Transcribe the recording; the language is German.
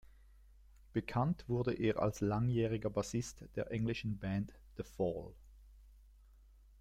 Bekannt wurde er als langjähriger Bassist der englischen Band The Fall.